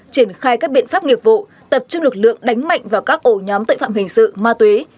triển khai các biện pháp nghiệp vụ tập trung lực lượng đánh mạnh vào các ổ nhóm tội phạm hình sự ma túy